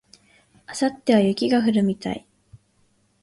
明後日は雪が降るみたい